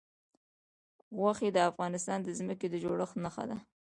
غوښې د افغانستان د ځمکې د جوړښت نښه ده.